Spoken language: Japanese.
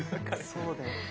そうだよね。